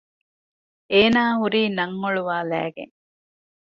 އޭނާ ހުރީ ނަން އޮޅުވާލައިގެން